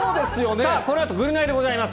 さあこのあと、ぐるナイでございます。